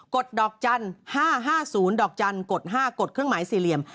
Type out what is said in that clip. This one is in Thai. ดอกจันทร์๕๕๐ดอกจันทร์กด๕กดเครื่องหมายสี่เหลี่ยม